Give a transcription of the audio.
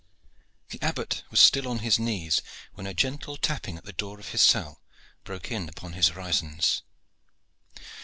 The Abbot was still on his knees, when a gentle tapping at the door of his cell broke in upon his orisons.